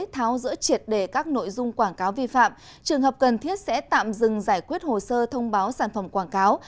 tháo giữa triệt đề các nội dung quảng cáo vi phạm trường hợp cần thiết sẽ tạm dừng giải quyết hồ sơ thông báo sản phẩm quảng cáo